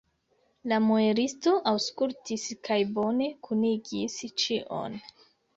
La muelisto aŭskultis kaj bone kunigis ĉion.